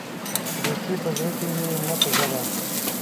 دوستي په زړه کې وي، نه په ژبه.